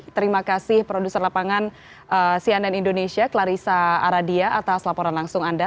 terima kasih produser lapangan cnn indonesia clarissa aradia atas laporan langsung anda